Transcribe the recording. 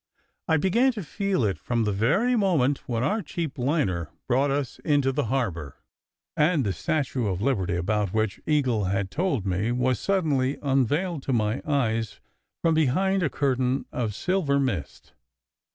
I began to feel it from the very moment when our cheap liner brought us into the harbour, and the Statue of Liberty (about which Eagle had told me) was suddenly unveiled to my eyes from behind a curtain of silver mist.